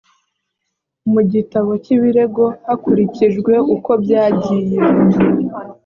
mu gitabo cy ibirego hakurikijwe uko byagiye